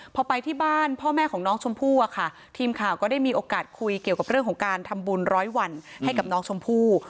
พอไปที่บ้านพ่อแม่ของน้องชมพู่อะค่ะทีมข่าวก็ได้มีโอกาสคุยเกี่ยวกับเรื่องของการทำบุญร้อยวันให้กับน้องชมพู่